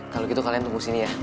kalau gitu kalian tunggu sini ya